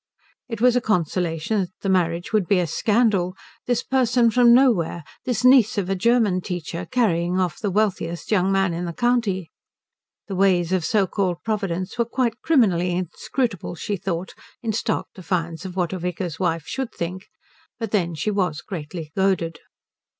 It was a consolation that the marriage would be a scandal, this person from nowhere, this niece of a German teacher, carrying off the wealthiest young man in the county. The ways of so called Providence were quite criminally inscrutable, she thought, in stark defiance of what a vicar's wife should think; but then she was greatly goaded.